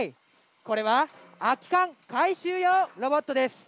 これは空き缶回収用ロボットです。